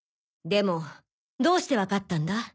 でもどうしてわかったんだ？